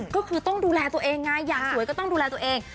ก็คือต้องดูแลตัวเองไงอยากสวยก็ต้องดูแลตัวเอง